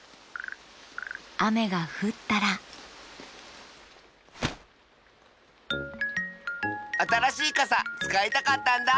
あめがふったらあたらしいかさつかいたかったんだ！